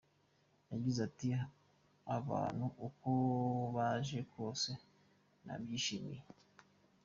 Yagize ati :”Abantu uko baje kose nabyishimiye.